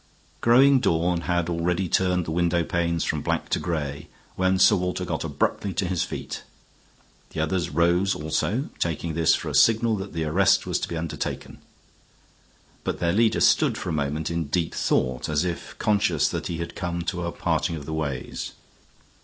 Growing dawn had already turned the window panes from black to gray when Sir Walter got abruptly to his feet. The others rose also, taking this for a signal that the arrest was to be undertaken. But their leader stood for a moment in deep thought, as if conscious that he had come to a parting of the ways.